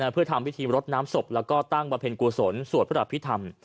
เพื่อทำพิธีรดน้ำศพแล้วก็ตั้งบำเพ็ญกุศลสวดพระอภิษฐรรม